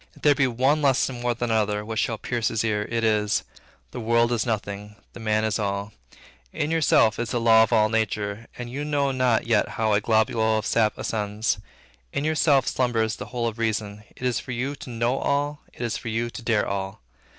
If there be one lesson more than another, which should pierce his ear, it is, The world is nothing, the man is all; in yourself is the law of all nature, and you know not yet how a globule of sap ascends; in yourself slumbers the whole of Reason; it is for you to know all, it is for you to dare all.